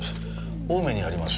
青梅にあります